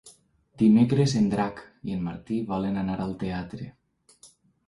Dimecres en Drac i en Martí volen anar al teatre.